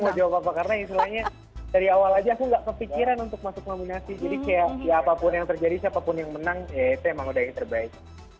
mau jawab apa karena istilahnya dari awal aja aku gak kepikiran untuk masuk nominasi jadi kayak ya apapun yang terjadi siapapun yang menang ya itu emang udah yang terbaik